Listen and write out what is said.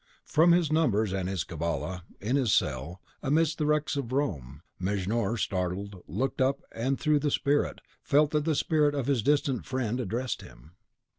From his numbers and his Cabala, in his cell, amidst the wrecks of Rome, Mejnour, startled, looked up, and through the spirit, felt that the spirit of his distant friend addressed him.